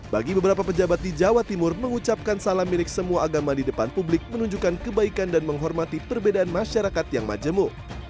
bagi beberapa pejabat di jawa timur mengucapkan salam milik semua agama di depan publik menunjukkan kebaikan dan menghormati perbedaan masyarakat yang majemuk